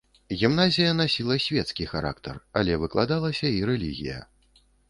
Гімназія насіла свецкі характар, але выкладалася і рэлігія.